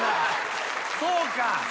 そうか。